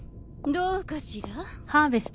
どうかしら？